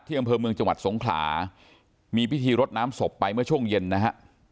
อำเภอเมืองจังหวัดสงขลามีพิธีรดน้ำศพไปเมื่อช่วงเย็นนะฮะ